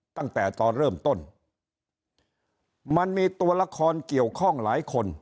ตั้งแต่ตอนเริ่มต้นมันมีตัวละครเกี่ยวข้องหลายคน